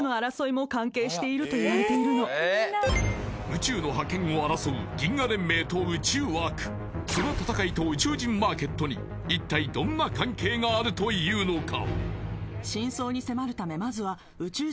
宇宙の覇権を争う銀河連盟と宇宙悪その戦いと宇宙人マーケットに一体どんな関係があるというのか？